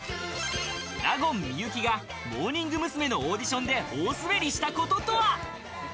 納言・幸がモーニング娘。のオーディションで大滑りしたこととは？